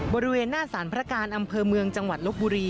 บริเวณหน้าสารพระการอำเภอเมืองจังหวัดลบบุรี